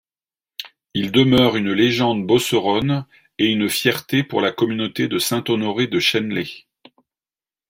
Il demeure une légende beauceronne et une fierté pour la communauté de Saint-Honoré-de-Shenley.